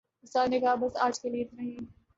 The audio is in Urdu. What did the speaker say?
اُستاد نے کہا، "بس آج کے لئے اِتنا ہی"